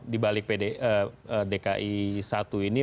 di balik dki satu ini